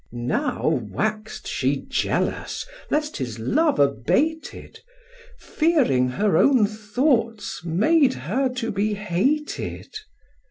Now wax'd she jealous lest his love abated, Fearing her own thoughts made her to be hated.